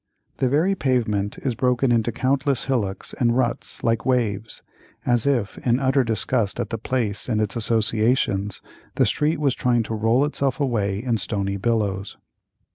The very pavement is broken into countless hillocks and ruts like waves, as if, in utter disgust at the place and its associations, the street was trying to roll itself away in stony billows.